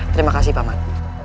terima kasih paman